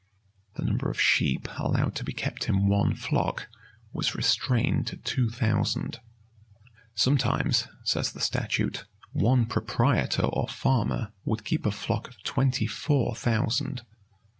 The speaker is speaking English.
The number of sheep allowed to be kept in one flock, was restrained to two thousand.[v*] Sometimes, says the statute, one proprietor or farmer would keep a flock of twenty four thousand.